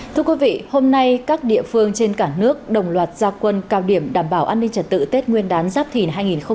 thưa quý vị hôm nay các địa phương trên cả nước đồng loạt gia quân cao điểm đảm bảo an ninh trật tự tết nguyên đán giáp thìn hai nghìn hai mươi bốn